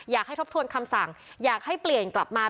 ทบทวนคำสั่งอยากให้เปลี่ยนกลับมา